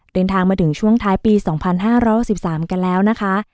เดินทางมาถึงช่วงท้ายปีสองพันห้าร้อยสิบสามกันแล้วนะคะ